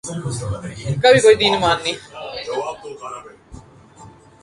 میں بہت پرجوش ہوں کہ اس کا خوبصورت گھر دیکھ سکوں